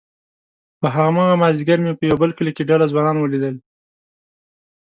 په هماغه مازيګر مې په يوه بل کلي کې ډله ځوانان وليدل،